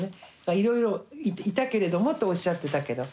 いろいろいたけれどもとおっしゃってたけど。